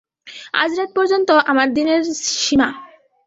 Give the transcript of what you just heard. আজ রাত পর্যন্ত আমার দিনের সীমা।